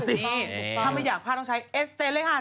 ถ้าไม่อยากพลาดต้องใช้เอสเตเลยค่ะ